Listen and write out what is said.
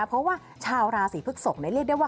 เพราะว่าชาวราศีพฤกษกเรียกได้ว่า